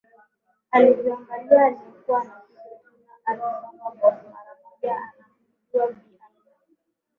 Alivoangalia aliyekuwa anapiga jina lilisoma Boss mara moja akajua Bi Anita